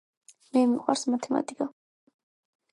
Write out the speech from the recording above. Მე მიყვარს მათემათიკა